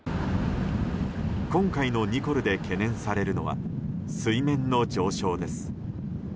今回のニコルで懸念されるのは水面の上昇です。